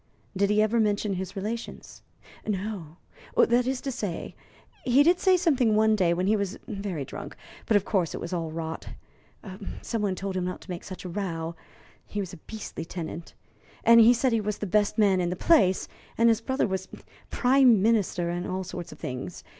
"Did he ever mention his relations?" "No. That is to say, he did say something one day when he was very drunk; but, of course, it was all rot. Some one told him not to make such a row he was a beastly tenant and he said he was the best man in the place, and his brother was Prime Minister, and all sorts of things.